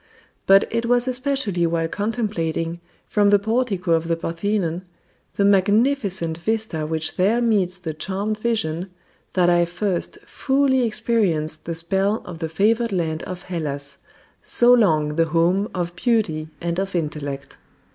But it was especially while contemplating, from the portico of the Parthenon, the magnificent vista which there meets the charmed vision, that I first fully experienced the spell of the favored land of Hellas, so long the home of beauty and of intellect.